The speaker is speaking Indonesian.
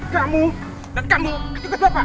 kamu dan kamu ketiga bapak